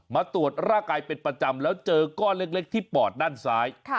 มาตรวจร่างกายเป็นประจำแล้วเจอก้อนเล็กที่ปอดด้านซ้าย